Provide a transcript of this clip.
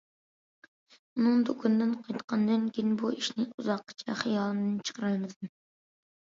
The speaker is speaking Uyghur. ئۇنىڭ دۇكىنىدىن قايتقاندىن كېيىن، بۇ ئىشنى ئۇزاققىچە خىيالىمدىن چىقىرالمىدىم.